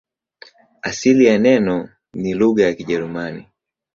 Asili ya neno ni lugha ya Kijerumani.